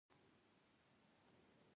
خټکی د فټکاري مخنیوی کوي.